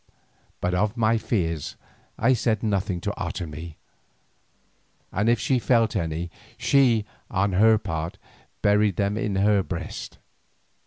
But of my fears I said nothing to Otomie, and if she felt any she, on her part, buried them in her breast.